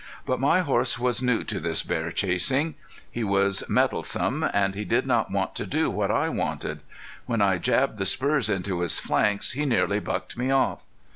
But my horse was new to this bear chasing. He was mettlesome, and he did not want to do what I wanted. When I jabbed the spurs into his flanks he nearly bucked me off.